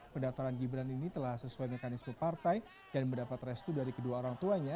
pendaftaran gibran ini telah sesuai mekanisme partai dan mendapat restu dari kedua orang tuanya